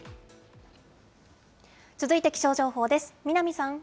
続いて気象情報です。